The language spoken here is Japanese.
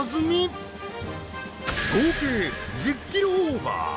合計１０キロオーバー。